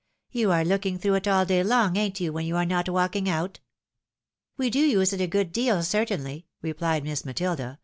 You are looking through it all day long, ain't you, when you are not walking out?" " We do use it a good deal, certainly," replied Miss Matilda, 136 THE WIDOW MARRIED.